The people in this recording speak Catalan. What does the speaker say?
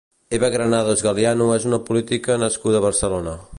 Eva Granados Galiano és una política nascuda a Barcelona.